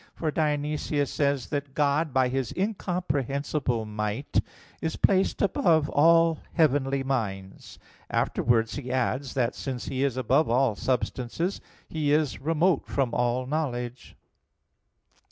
For Dionysius says (Div. Nom. i) that God "by His incomprehensible might is placed above all heavenly minds." Afterwards he adds that, "since He is above all substances, He is remote from all knowledge."